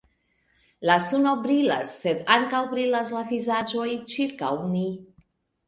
La suno brilas, sed ankaŭ brilas la vizaĝoj ĉirkaŭ ni.